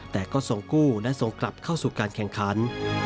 แต่ก็ส่งกู้และส่งกลับเข้าสู่การแข่งขัน